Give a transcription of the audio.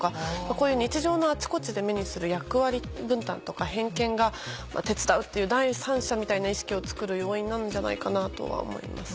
こういう日常のあっちこっちで目にする役割分担とか偏見が手伝うっていう第三者みたいな意識を作る要因なんじゃないかなとは思います。